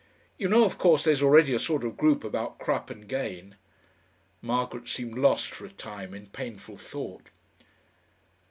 You know, of course, there's already a sort of group about Crupp and Gane." Margaret seemed lost for a time in painful thought.